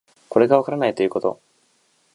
これがわからないことということ